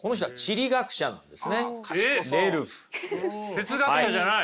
哲学者じゃない。